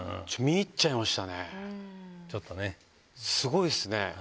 すごいっすね。